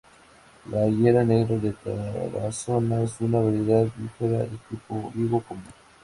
La higuera 'Negro de Tarazona' es una variedad "bífera" de tipo higo común.